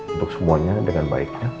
untuk semuanya dengan baiknya